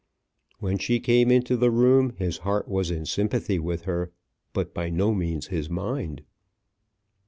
When she came into the room, his heart was in sympathy with her, but by no means his mind.